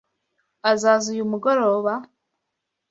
Azaza uyu mugoroba? (